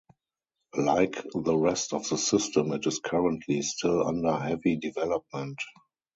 Like the rest of the system it is currently still under heavy development.